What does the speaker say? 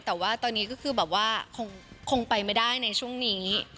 แต่ว่าตอนนี้ก็คือแบบว่าคงไปไม่ได้ในช่วงนี้